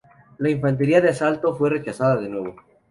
La infantería de asalto fue rechazada de nuevo.